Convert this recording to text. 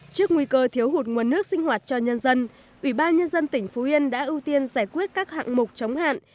trước nguy cơ thiếu hụt nguồn nước sinh hoạt cho nhân dân ủy ban nhân dân tỉnh phú yên đã ưu tiên giải quyết các hạng mục chống hạn